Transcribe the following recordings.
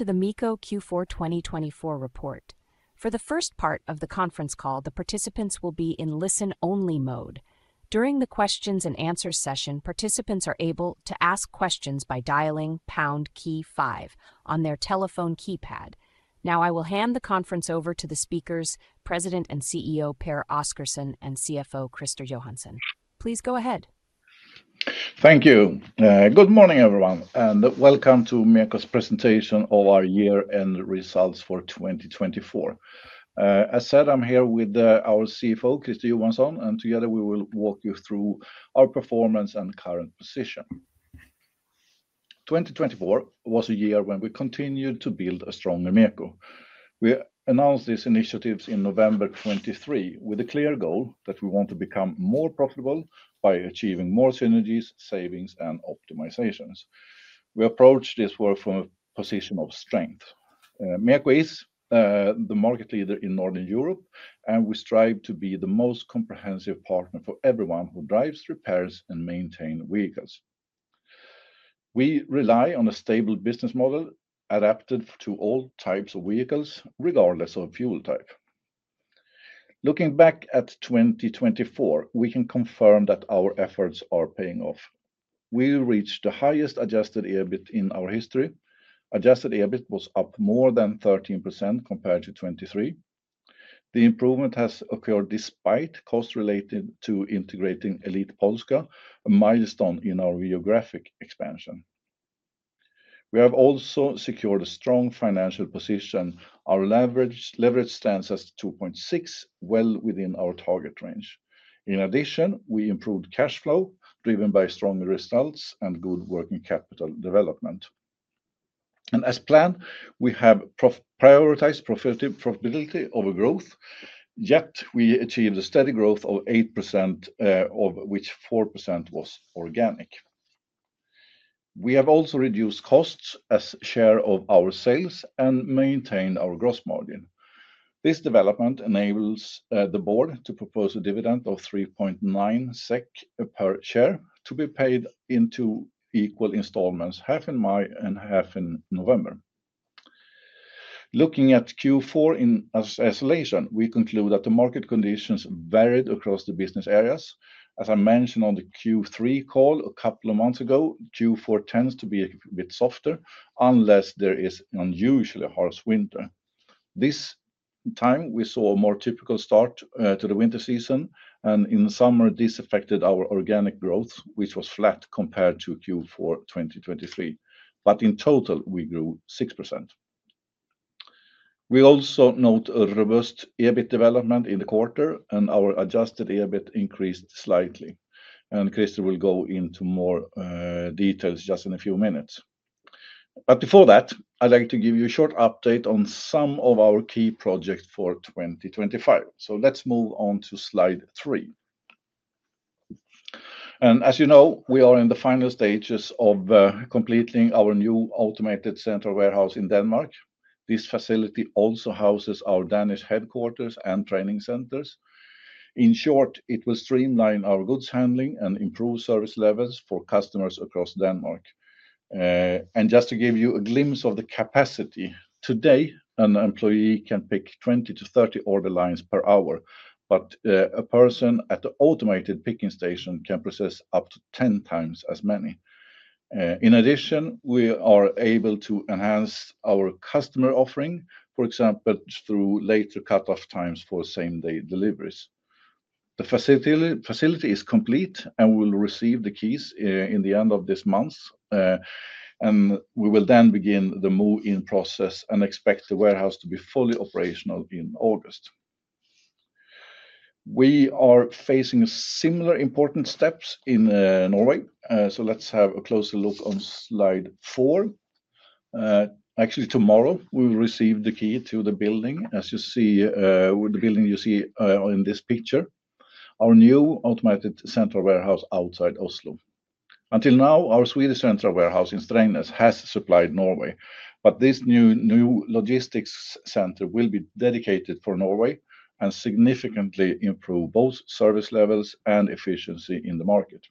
To the MEKO Q4 2024 report. For the first part of the conference call, the participants will be in listen only mode. During the questions and answers session, participants are able to ask questions by dialing pound key five on their telephone keypad. Now I will hand the conference over to the speakers. President and CEO Pehr Oscarson and CFO Christer Johansson. Please go ahead. Thank you. Good morning everyone and welcome to MEKO's presentation of our year-end results 2024. As said, I'm here with our CFO Christer Johansson and together we will walk you through our performance and current position. 2024 was a year when we continued to build a strong MEKO. We announced these initiatives in November 2023 with a clear goal that we want to become more profitable by achieving more synergies, savings and optimizations. We approach this work from a position of strength. MEKO is the market leader in Northern Europe and we strive to be the most comprehensive partner for everyone who drives, repairs and maintains vehicles. We rely on a stable business model adapted to all types of vehicles, regardless of fuel type. Looking back at 2024 we can confirm that our efforts are paying off. We reached the highest Adjusted EBIT in our history. Adjusted EBIT was up more than 13% compared to 2023. The improvement has occurred despite costs related to integrating Elit Polska, a milestone in our geographic expansion. We have also secured a strong financial position. Our leverage stands at 2.6, well within our target range. In addition, we improved cash flow driven by strong results and good working capital development, and as planned, we have prioritized profitability over growth. Yet we achieved a steady growth of 8% of which 4% was organic. We have also reduced costs as share of our sales and maintained our gross margin. This development enables the Board to propose a dividend of 3.9 SEK per share to be paid into equal installments, half in May and half in November. Looking at Q4 in isolation, we conclude that the market conditions varied across the business areas. As I mentioned on the Q3 call a couple of months ago, Q4 tends to be a bit softer unless there is unusually harsh winter. This time we saw a more typical start to the winter season and in Sweden this affected our organic growth which was flat compared to Q4 2023, but in total we grew 6%. We also note a robust EBIT development in the quarter and our adjusted EBIT increased slightly, and Christer will go into more details just in a few minutes. But before that I'd like to give you a short update on some of our key projects for 2025. So let's move on to slide three. As you know, we are in the final stages of completing our new automated central warehouse in Denmark. This facility also houses our Danish headquarters and training centers. In short, it will streamline our goods handling and improve service levels for customers across Denmark. Just to give you a glimpse of the capacity today, an employee can pick 20-30 order lines per hour, but a person at the automated picking station can process up to ten times as many. In addition, we are able to enhance our customer offering, for example, through later cutoff times for same-day deliveries. The facility is complete and will receive the keys in the end of this month. We will then begin the move-in process and expect the warehouse to be fully operational in August. We are facing similar important steps in Norway, so let's have a closer look on slide four. Actually, tomorrow we will receive the key to the building. As you see the building you see in this picture, our new automated central warehouse outside Oslo. Until now, our Swedish central warehouse in Strängnäs has supplied Norway. But this new logistics center will be dedicated for Norway and significantly improve both service levels and efficiency in the market.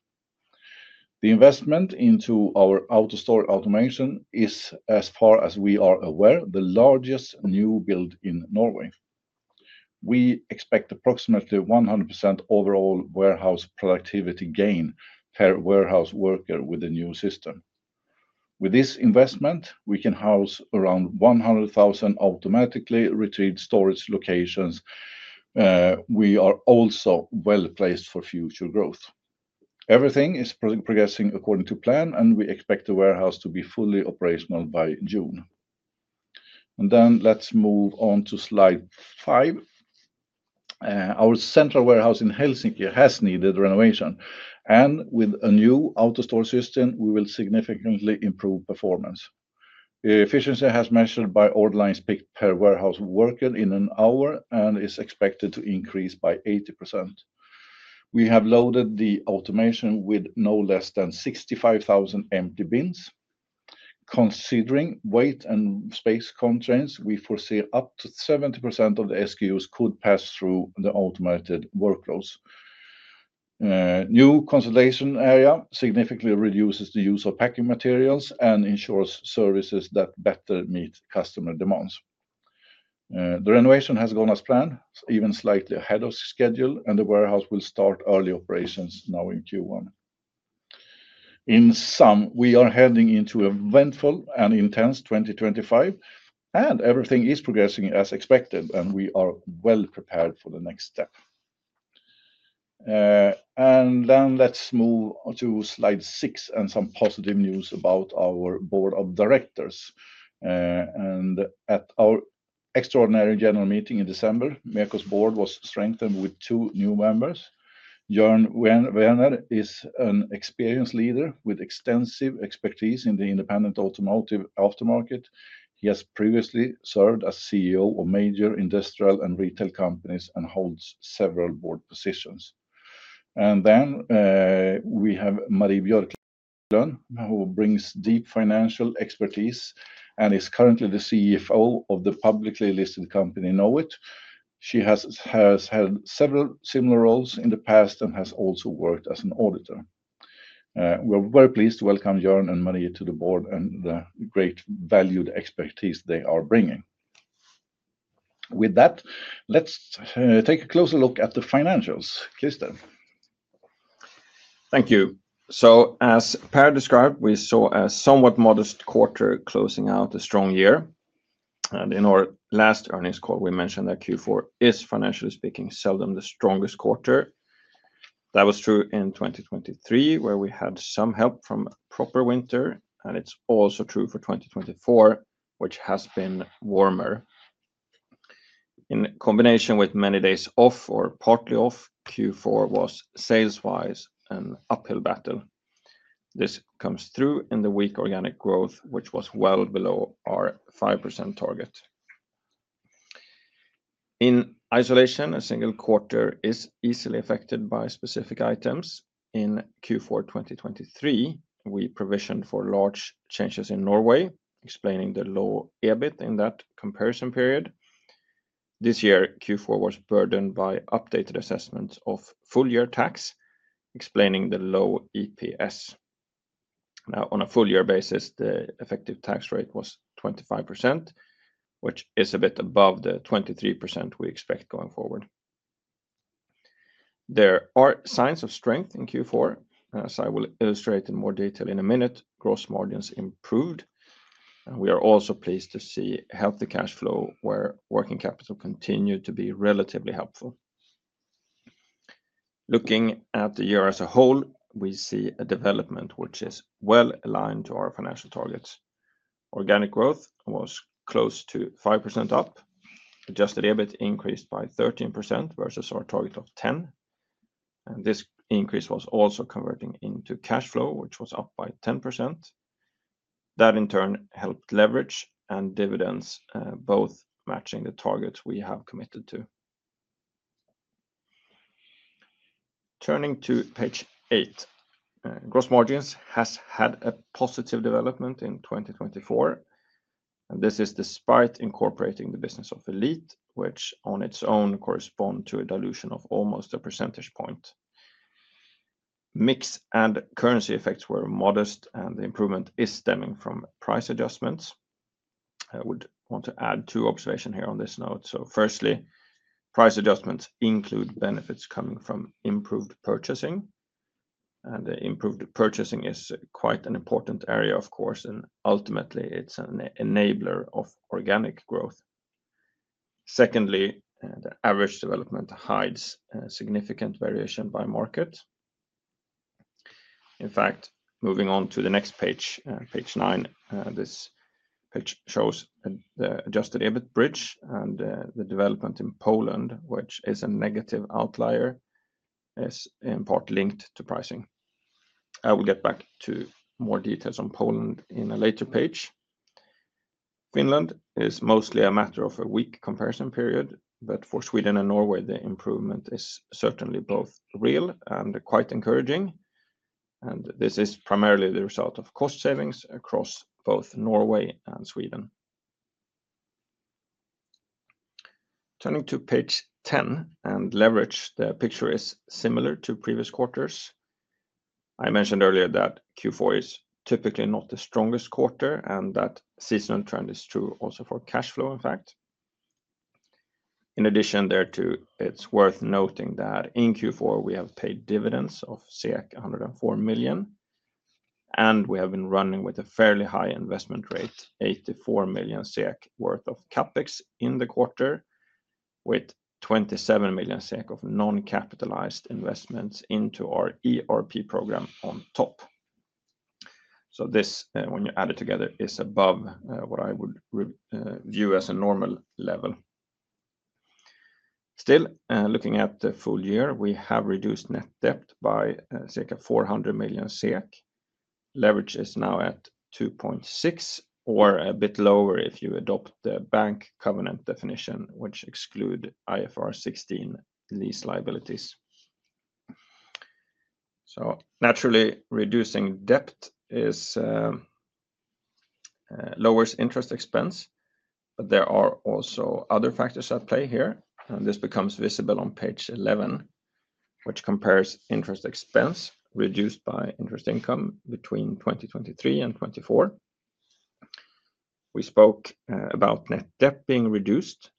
The investment into our AutoStore automation is, as far as we are aware, the largest new build in Norway. We expect approximately 100% overall warehouse productivity gain from warehouse worker with the new system. With this investment, we can house around 100,000 automatically retrieved storage locations. We are also well placed for future growth. Everything is progressing according to plan and we expect the warehouse to be fully operational by June. Let's move on to slide five. Our central warehouse in Helsinki has needed renovation, and with a new AutoStore system, we will significantly improve performance. Efficiency is measured by order lines picked per warehouse worker in an hour and is expected to increase by 80%. We have loaded the automation with no less than 65,000 empty bins. Considering weight and space constraints, we foresee up to 70% of the SKUs could pass through the automated workflows. New consolidation area significantly reduces the use of packing materials and ensures services that better meet customer demands. The renovation has gone as planned, even slightly ahead of schedule, and the warehouse will start early operations now in Q1. In sum, we are heading into eventful and intense 2025 and everything is progressing as expected and we are well prepared for the next step. Then let's move to slide six. Some positive news about our board of directors. At our extraordinary general meeting in December, MEKO's board was strengthened with two new members. Jörn Werner is an experienced leader with extensive expertise in the independent automotive aftermarket. He has previously served as CEO of major industrial and retail companies and holds several board positions. And then we have Marie Björklund, who brings deep financial expertise and is currently the CEO of the publicly listed company Knowit. She has held several similar roles in the past and has also worked as an auditor. We're very pleased to welcome Jörn and Marie to the board and the great valued expertise they are bringing. With that, let's take a closer look at the financials. Christer. Thank you. So as per described, we saw a somewhat modest quarter closing out a strong year and in our last earnings call we mentioned that Q4 is, financially speaking, seldom the strongest quarter. That was true in 2023 where we had some help from proper winter and it's also true for 2024 which has been warmer. In combination with many days off or partly off. Q4 was, sales wise, an uphill battle. This comes through in the weak organic growth which was well below our 5% target. In isolation, a single quarter is easily affected by specific items in Q4 2023. We provisioned for large changes in Norway, explaining the low EBIT in that comparison period. This year Q4 was burdened by updated assessments of full year tax, explaining the low EPS. Now, on a full year basis, the effective tax rate was 25% which is a bit above the 23% we expect going forward. There are signs of strength in Q4 as I will illustrate in more detail in a minute. Gross margins improved and we are also pleased to see healthy cash flow where working capital continued to be relatively helpful. Looking at the year as a whole, we see a development which is well aligned to our financial targets. Organic growth was close to 5% up. Adjusted EBIT increased by 13% versus our target of 10 and this increase was also converting into cash flow which was up by 10%. That in turn helped leverage and dividends, both matching the targets we have committed to. Turning to page 8, Gross Margins has had a positive development in 2024 and this is despite incorporating the business of Elit, which on its own correspond to a dilution of almost a percentage point. Mix and currency effects were modest and the improvement is stemming from price adjustments. I would want to add two observations here on this note. So firstly, price adjustments include benefits coming from improved purchasing and improved purchasing is quite an important area of course, and ultimately it's an enabler of organic growth. Secondly, the average development hides significant variation by market. In fact, moving on to the next page, page 9. This pitch shows the Adjusted EBIT bridge and the development in Poland, which is a negative outlier, is in part linked to pricing. I will get back to more details on Poland in a later page. Finland is mostly a matter of a week comparison period, but for Sweden and Norway the improvement is certainly both real and quite encouraging, and this is primarily the result of cost savings across both Norway and Sweden. Turning to page 10 and leverage, the picture is similar to previous quarters. I mentioned earlier that Q4 is typically not the strongest quarter and that seasonal trend is true also for cash flow. In fact. In addition, there too it's worth noting that in Q4 we have paid dividends of 104 million and we have been running with a fairly high investment rate, 84 million worth of CapEx in the quarter with 27 million of non capitalized investments into our ERP program on top. So this, when you add it together, is above what I would view as a normal level. Still, looking at the full year, we have reduced net debt by 400 million SEK. Leverage is now at 2.6 or a bit lower if you adopt the bank covenant definition which excludes IFRS 16 lease liabilities. So naturally reducing debt. Lowers interest expense. But there are also other factors at play here, and this becomes visible on page 11 which compares interest expense reduced by interest income between 2023 and 2024. We spoke about net debt being reduced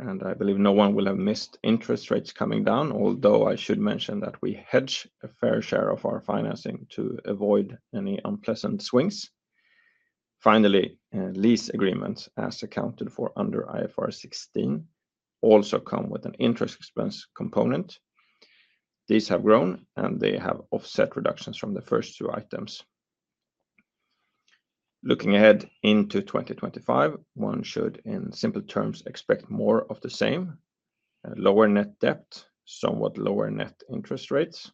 and I believe no one will have missed interest rates coming down, although I should mention that we hedge a fair share of our financing to avoid any unpleasant swings. Finally, lease agreements as accounted for under IFRS 16 also come with an interest expense component. These have grown and they have offset reductions from the first two items. Looking ahead into 2025, one should, in simple terms, expect more of the same lower net debt, somewhat lower net interest rates,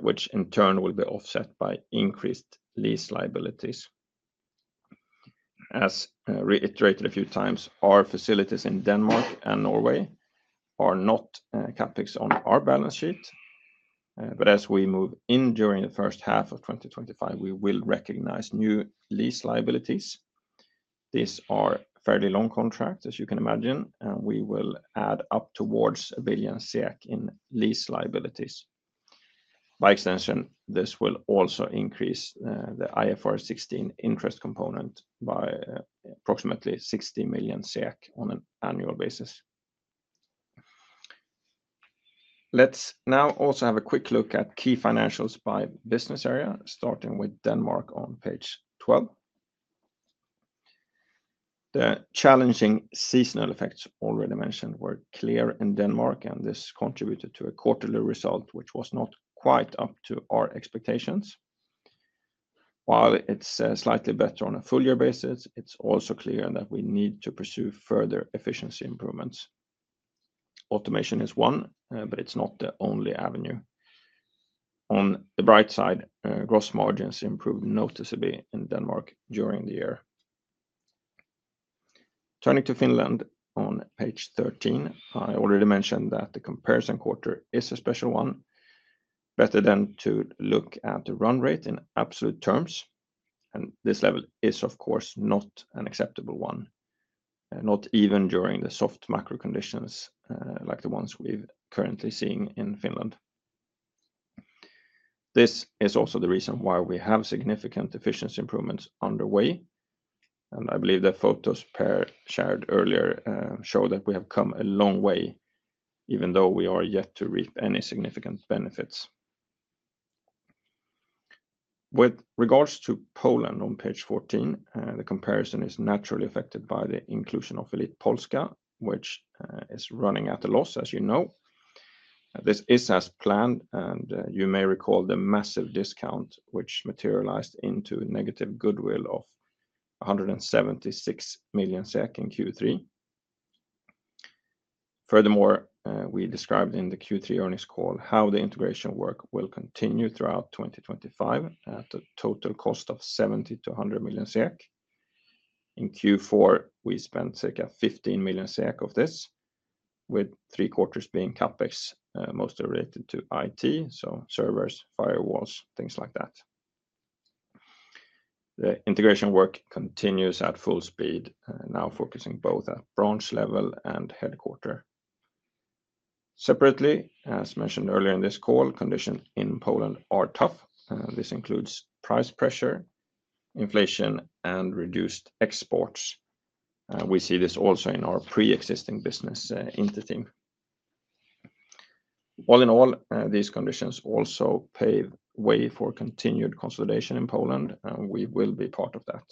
which in turn will be offset by increased lease liabilities. As reiterated a few times, our facilities in Denmark and Norway are not CapEx on our balance sheet, but as we move in during the first half of 2025 we will recognize new lease liabilities. These are fairly long contracts as you can imagine, and we will add up towards 1 billion in lease liabilities. By extension, this will also increase the IFRS 16 interest component by approximately 60 million on an annual basis. Let's now also have a quick look at key financials by business area, starting with Denmark on page 12. The challenging seasonal effects already mentioned were clear in Denmark and this contributed to a quarterly result which was not quite up to our expectations. While it's slightly better on a full year basis. It's also clear that we need to pursue further efficiency improvements. Automation is one, but it's not the only avenue. On the bright side, gross margins improved noticeably in Denmark during the year. Turning to Finland on page 13, I already mentioned that the comparison quarter is a special one, better than to look at the run rate in absolute terms. This level is of course not an acceptable one, not even during the soft macro conditions like the ones we've currently seen in Finland. This is also the reason why we have significant efficiency improvements underway and I believe the photos Pehr shared earlier show that we have come a long way even though we are yet to reap any significant benefits. With regards to Poland on page 14 the comparison is naturally affected by the inclusion of Elit Polska which is running at a loss. As you know, this is as planned and you may recall the massive discount which materialized into negative goodwill of 176 million SEK in Q3. Furthermore, we described in the Q3 earnings call how the integration work will continue throughout 2025 at a total cost of 70 million-100 million. In Q4 we spent 15 million of this with three-quarters being CapEx mostly related to IT, so servers, firewalls, things like that. The integration work continues at full speed now, focusing both at branch level and headquarter separately. As mentioned earlier in this call, conditions in Poland are tough. This includes price pressure, inflation and reduced exports. We see this also in our pre-existing business Inter-Team. All in all, these conditions also pave way for continued consolidation in Poland and we will be part of that.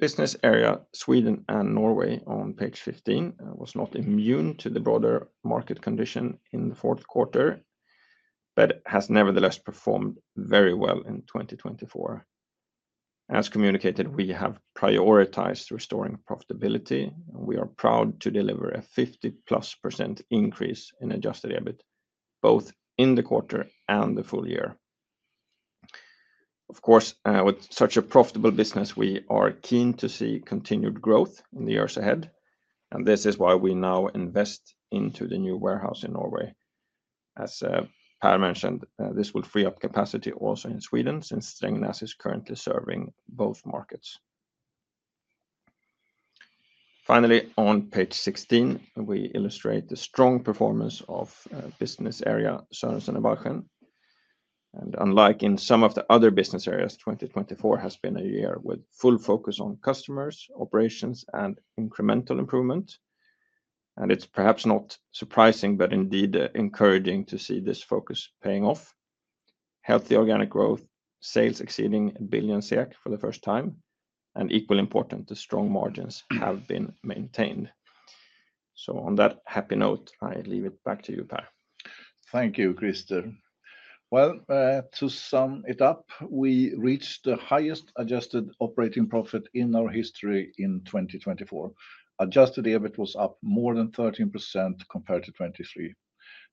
Business area. Sweden and Norway on page 15 was not immune to the broader market condition in the fourth quarter, but has nevertheless performed very well in 2024. As communicated, we have prioritized restoring profitability. We are proud to deliver a 50+% increase in adjusted EBIT both in the quarter and the full year. Of course, with such a profitable business we are keen to see continued growth in the years ahead and this is why we now invest into the new warehouse in Norway. As per mentioned, this will free up capacity also in Sweden since Strängnäs is currently serving both markets. Finally, on page 16 we illustrate the strong performance of business area Sørensen og Balchen and unlike in some of the other business areas, 2024 has been a year with full focus on customers operations and incremental improvement and it's perhaps not surprising but indeed encouraging to see this focus paying off. Healthy organic growth sales exceeding 1 billion SEK for the first time and equally important the strong margins have been maintained. On that happy note, I leave it back to you, Pehr Thank you, Christer. To sum it up, we reached the highest adjusted operating profit in our history in 2024. Adjusted EBIT was up more than 13% compared to 2023.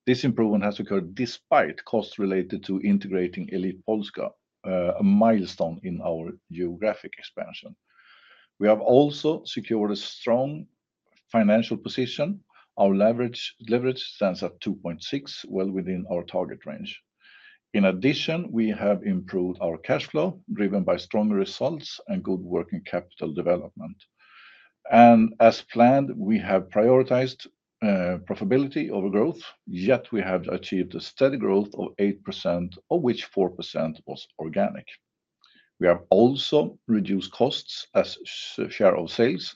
This improvement has occurred despite costs related to integrating Elit Polska, a milestone in our geographic expansion. We have also secured a strong financial position. Our leverage stands at 2.6, well within our target range. In addition, we have improved our cash flow driven by strong results and good working capital development. As planned, we have prioritized profitability over growth. Yet we have achieved a steady growth of 8% of which 4% was organic. We have also reduced costs as share of sales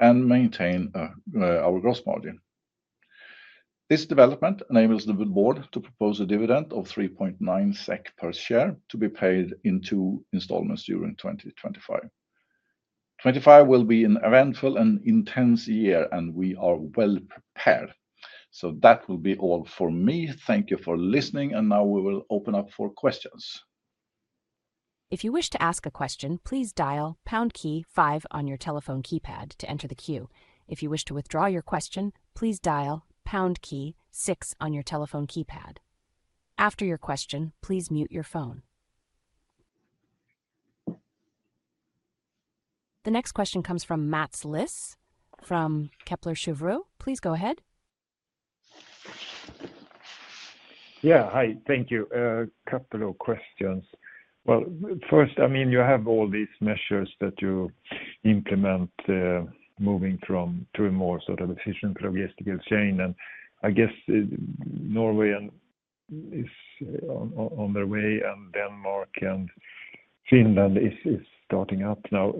and maintain our gross margin. This development enables the board to propose a dividend of 3.9 SEK per share to be paid in two installments during 2025. 2025 will be an eventful and intense year and we are well prepared. That will be all for me. Thank you for listening. Now we will open up for questions. If you wish to ask a question, please dial 5 on your telephone keypad to enter the queue. If you wish to withdraw your question, please dial 6 on your telephone keypad. After your question, please mute your phone. The next question comes from Mats Liss from Kepler Cheuvreux. Please go ahead. Yeah, hi. Thank you. Couple of questions. First, I mean you have all these measures that you implement moving from to a more sort of efficient logistical chain and I guess Norway is on their way and Denmark and Finland is starting up now.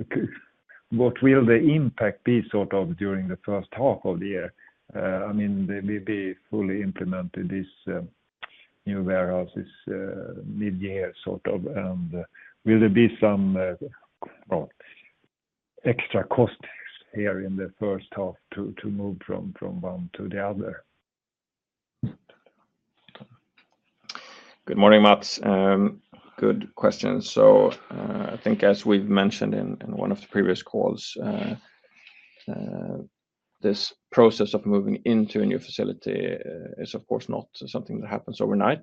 What will the impact be sort of during the first half of the year? I mean they will be fully implemented this new warehouse this mid year sort of. Will there be some. Extra cost here in the first half to move from one to the other? Good morning, Mats. Good question. I think as we've mentioned in one of the previous calls. This process of moving into a new facility is of course not something that happens overnight.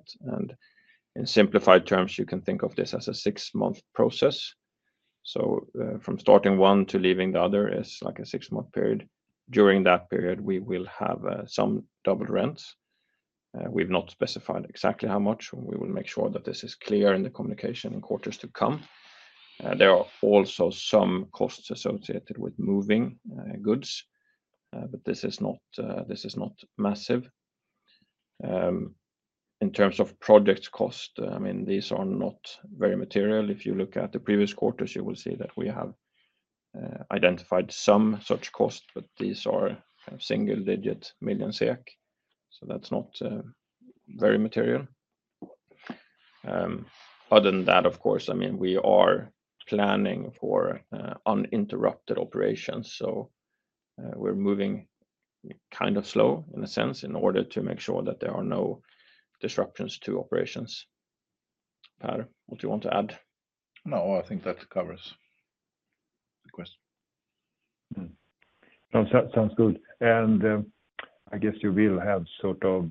In simplified terms you can think of this as a six month process. From starting one to leaving the other is like a six month period. During that period we will have some double rents. We have not specified exactly how much. We will make sure that this is clear in the communication in quarters to come. There are also some costs associated with moving goods but this is not, this is not massive. In terms of project cost. I mean these are not very material. If you look at the previous quarters you will see that we have identified some such cost. But these are single digit million SEK so that's not very material. Other than that, of course. I mean we are planning for uninterrupted operations. We are moving kind of slow in a sense in order to make sure that there are no disruptions to operations. What do you want to add? No, I think that covers the question. Sounds good. I guess you will have sort of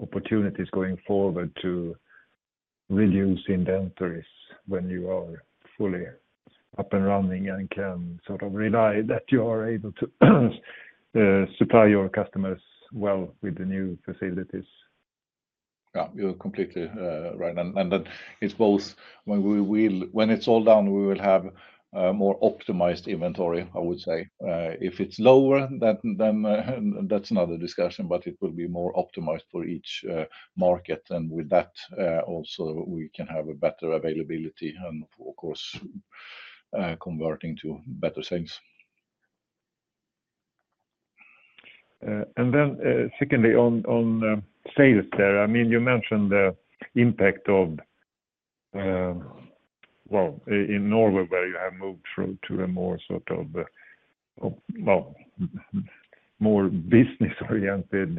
opportunities going forward to reduce inventories when you are fully up and running and can sort of rely that you are able to supply your customers well with the new facilities. Yeah, you're completely right. It is both. When we will, when it's all done, we will have more optimized inventory. I would say if it's lower then that's another discussion. It will be more optimized for each market and with that also we can have better availability and of course converting to better sales. Secondly on sales there, I mean you mentioned the impact of. In Norway where you have moved through to a more sort of, well, more business oriented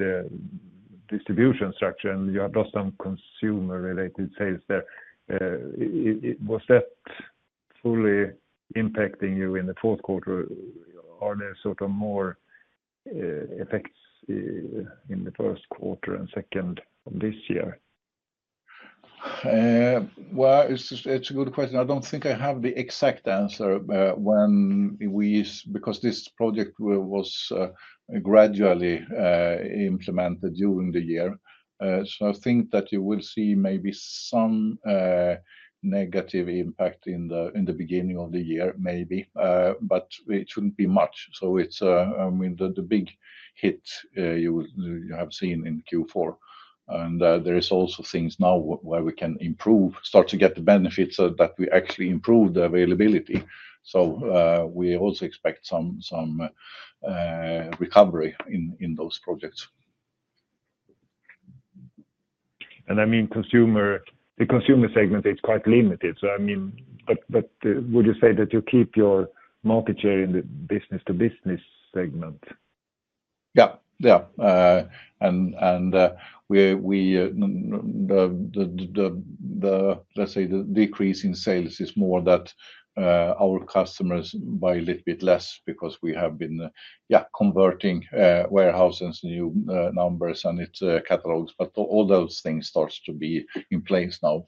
distribution structure and you have lost some consumer related sales there. Was that fully impacting you in the fourth quarter? Are there sort of more effects in the first quarter and second this year? It's a good question. I don't think I have the exact answer when we, because this project was gradually implemented during the year. I think that you will see maybe some negative impact in the beginning of the year maybe, but it shouldn't be much. It's the big hit you have seen in Q4. There are also things now where we can improve, start to get the benefits that we actually improve the availability. We also expect some. Recovery in those projects. I mean the consumer segment is quite limited. I mean, would you say that you keep your market share in the business to business segment? Yeah, yeah. And. Let's say the decrease in sales is more that our customers buy a little bit less because we have been converting warehouses, new numbers, and its catalogs. All those things start to be in place now.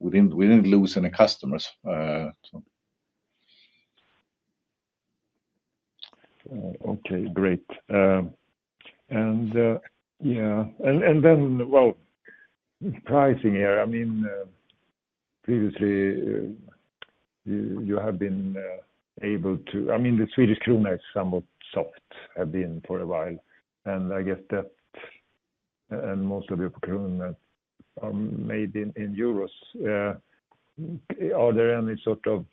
We didn't lose any customers. Okay, great. Yeah, and then, well, pricing here. I mean, previously. You have been able to. I mean the Swedish krona is somewhat soft, has been for a while, and I guess that. And most of your procurement are made in euros. Are there any sort of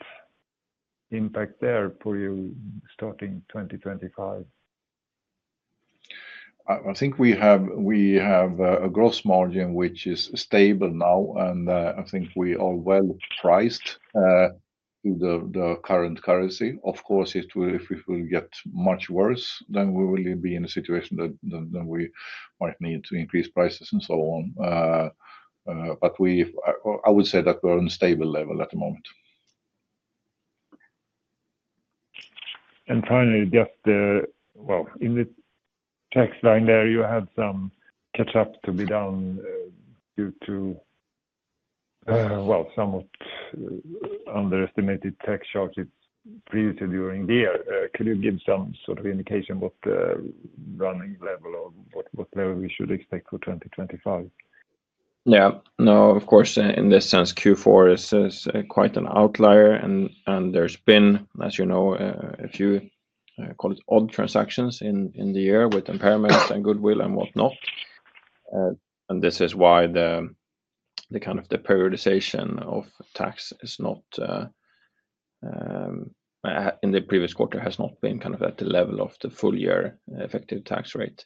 impact there for you starting 2025? I think we have a gross margin which is stable now and I think we are well priced to the current currency. Of course if it will get much worse then we will be in a situation that we might need to increase prices and so. I would say that we're on a stable level at the moment. Finally, just in the tax line there, you had some catch up to be done due to. Somewhat underestimated tax shortage previously during the year. Could you give some sort of indication what the running level or what level we should expect for 2025? Yeah, no, of course in this sense Q4 is quite an outlier and there's been, as you know, a few odd transactions in the year with impairments and goodwill and whatnot. This is why the kind of the prioritization of tax is not. In the previous quarter has not been kind of at the level of the full year effective tax rate.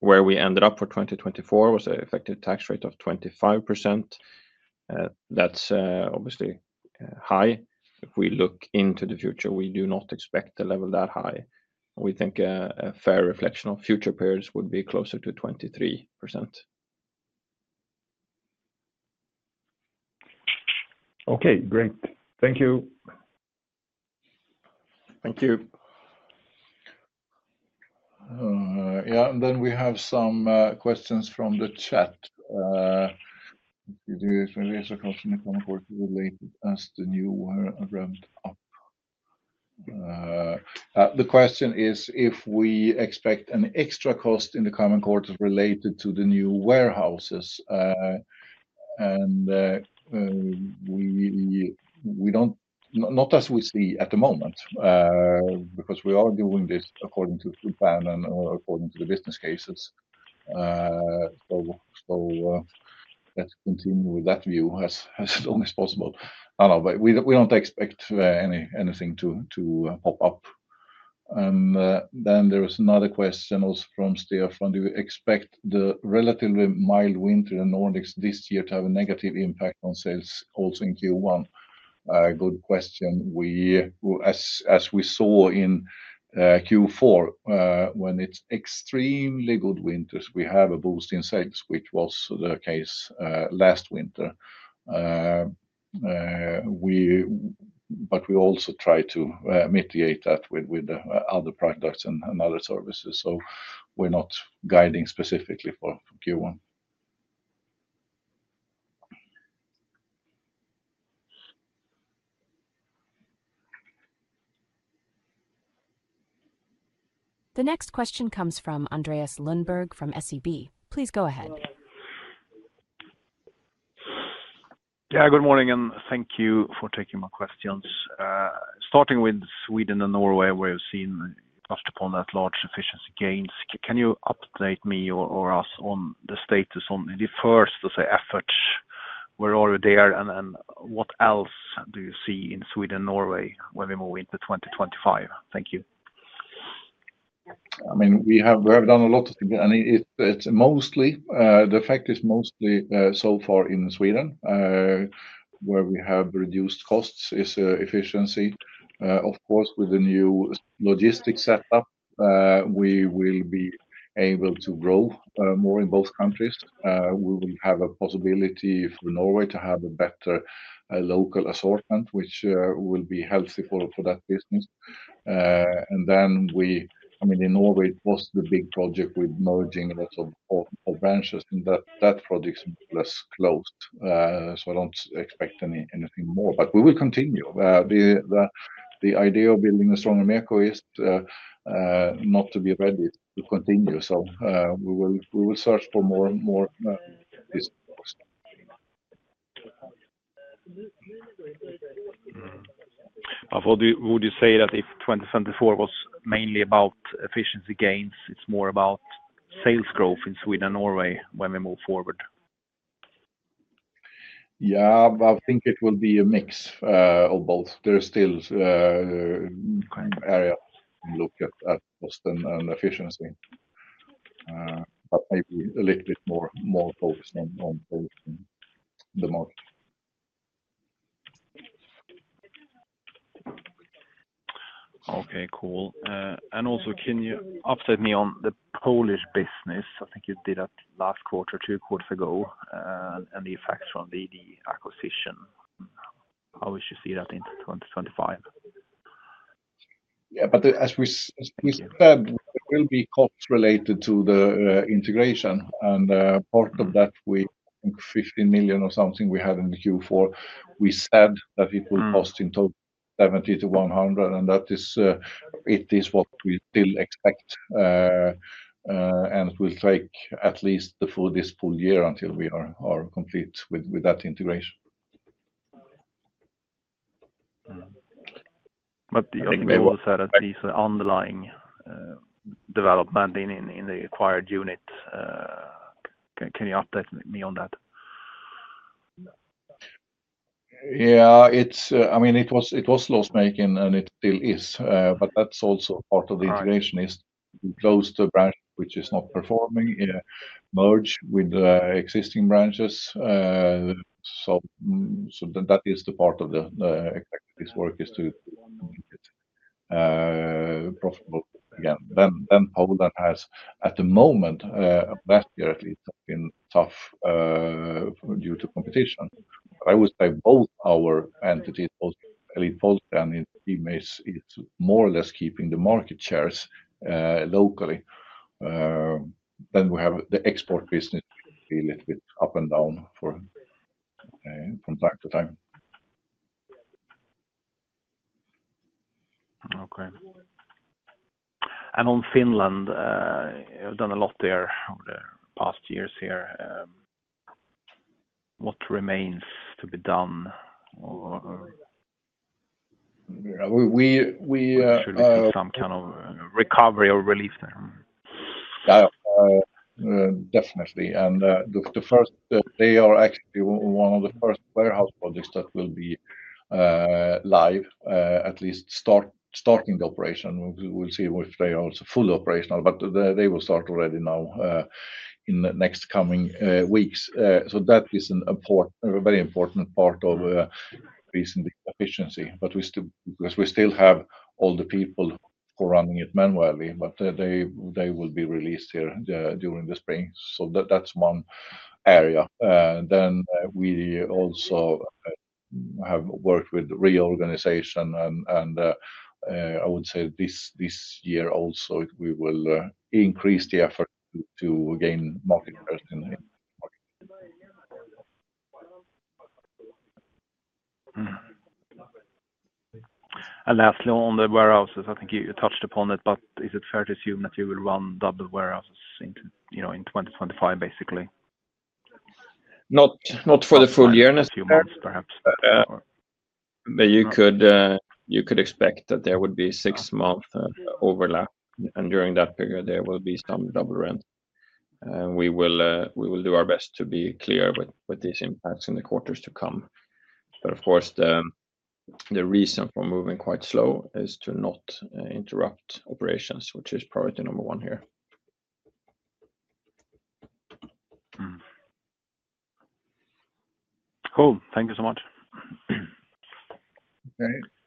Where we ended up for 2024 was an effective tax rate of 25%. That's obviously high. If we look into the future, we do not expect a level that high. We think a fair reflection of future periods would be closer to 23%. Okay, great. Thank you. Thank you. Yeah. Then we have some questions from the chat. Related as the new ramped. Up. The question is if we expect an extra cost in the coming quarters related to the new warehouses. And. We don't, not as we see at the moment, because we are doing this according to plan and according to the business cases. Let's continue with that view as long as possible. We don't expect anything to pop up. There was another question also from Stefan. Do you expect the relatively mild winter in Nordics this year to have a negative impact on sales also in Q1? Good question. As we saw in Q4, when it's extremely good winters, we have a boost in sales which was the case last winter. We also try to mitigate that with other products and other services. We are not guiding specifically for. The next question comes from Andreas Lundberg from SEB, please go ahead. Yeah, good morning and thank you for taking my questions. Starting with Sweden and Norway where you've seen touched upon that large efficiency gains. Can you update me or us on the status on the first efforts were already there. And what else do you see in Sweden, Norway when we move into 2025? Thank you. I mean we have done a lot of things and it's mostly the effect is mostly so far in Sweden, where we have reduced costs is efficiency. Of course with the new logistics setup we will be able to grow more in both countries. We will have a possibility for Norway to have a better local assortment which will be healthy for that business. I mean in Norway it was the big project with merging lots of branches and that project's more or less closed. I don't expect any. Anything more. We will continue. The idea of building a stronger MEKO is not to be ready to continue. We will. We will search for more. More. Would you say that if 2024 was mainly about efficiency gains? It's more about sales growth in Sweden, Norway when we move forward. Yeah, I think it will be a mix of both. There are still. Area look at Boston and efficiency. Maybe a little bit more. More focused on the market. Okay, cool. Can you update me on the Polish business? I think you did it last quarter, two quarters ago. And the effects from the acquisition, how we should see that in 2025. Yeah, as we said, there will be costs related to the integration and part of that we think 15 million or something we had in Q4. We said that it will cost in total 70- 100 million. That is what we still expect. It will take at least the full, this full year until we are complete with that integration. These are underlying development in the acquired unit. Can you update me on that? Yeah, I mean it was. It was loss making and it still is. That is also part of the integration, is close to branch which is not performing, merge with existing branches. That is the part of the work, is to make it profitable again. Poland has at the moment, last year at least, been tough due to competition. I would say both our entities, both Elit Polska. Poland is more or less keeping the market shares locally. We have the export business up and down from time to time. Okay. On Finland, I've done a lot there over the past years here. What remains to be done. Some kind of recovery or relief there? Definitely. The first. They are actually one of the first warehouse projects that will be live, at least starting the operation. We'll see if they are also fully operational. They will start already now in the next coming weeks. So that is an important, very important part of increasing the efficiency. We still have all the people who are running it manually. They will be released here during the spring. So that's one area. Then we also have worked with reorganization, and I would say this year also we will increase the effort to gain market. Lastly on the warehouses, I think you touched upon it. But is it fair to assume that you will run double warehouses, you know, in 2025? Basically. Not. Not for the full year. A few months perhaps, but you could. You could expect that there would be six month overlap and during that period there will be some double rent. We will do our best to be clear with these impacts in the quarters to come, but of course the reason for moving quite slow is to not interrupt operations, which is priority number one here. Cool. Thank you so much.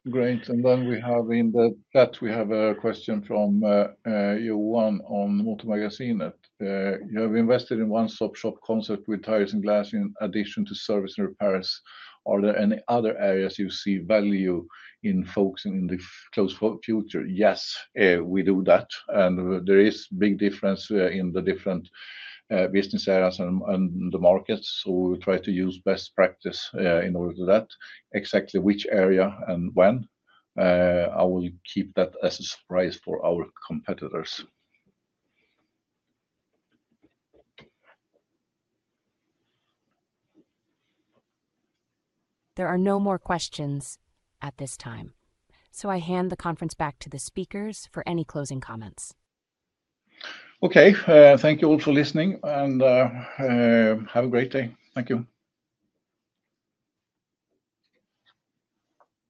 Great. And then we have in the chat we have a question from Johan on MotorMagasinet. You have invested in one-stop shop concept with tires and glass in addition to service and repairs. Are there any other areas you see value in, folks, in the near future? Yes, we do that and there is big difference in the different business areas and the markets. So we try to use best practice in order to that exactly which area and when. I will keep that as a surprise for our competitors. There are no more questions at this time, so I hand the conference back to the speakers for any closing comments. Okay, thank you all for listening and have a great day. Thank you.